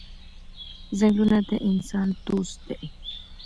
ځنګلونه د انسان دوست دي.